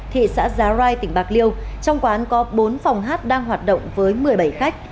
thị xã giá rai tỉnh bạc liêu trong quán có bốn phòng hát đang hoạt động với một mươi bảy khách